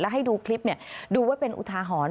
และให้ดูคลิปดูว่าเป็นอุทาหอน